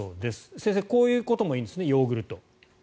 先生、こういうこともいいんですね、ヨーグルト。